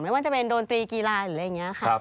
ไม่ว่าจะเป็นดนตรีกีฬาหรืออะไรอย่างนี้ค่ะ